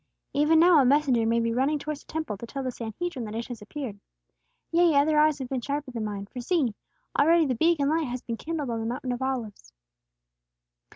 Even now a messenger may be running towards the Temple, to tell the Sanhedrin that it has appeared. Yea, other eyes have been sharper than mine, for see! Already the beacon light has been kindled on the Mount of Olives!"